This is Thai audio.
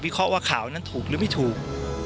เคราะห์ว่าข่าวนั้นถูกหรือไม่ถูก